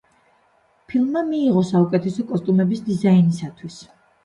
ფილმმა მიიღო საუკეთესო კოსტუმების დიზაინისთვის.